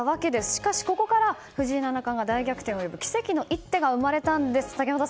しかし、ここから藤井七冠が大逆転を呼ぶ奇跡の一手が生まれたんです。